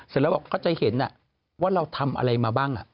เสร็จแล้วบอกก็จะเห็นว่าเราทำอะไรมาบ้าง